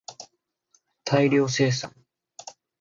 大量生産